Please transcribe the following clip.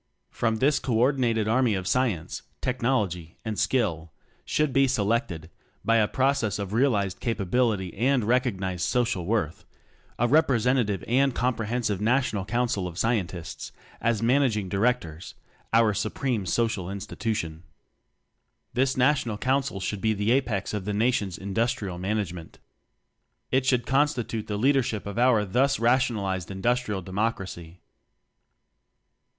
From this co ordinated Army of Science, Technology, and Skill should be selected (by a process of realized capability and recognized social worth) a representative and comprehensive National Council of Scientists as Man aging Directors our Supreme Social Institution. This National Council should be the apex of the Nation's Industrial Man agement. It should constitute the Leadership of our thus rationalized Industrial Democracy.